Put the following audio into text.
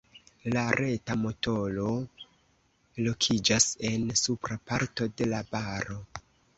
La reta motoro lokiĝas en supra parto de la baro.